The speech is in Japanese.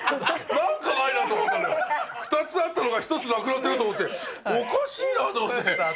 なんかないなぁと思ったら、２つあったのが１つなくなったと思っておかしいなと。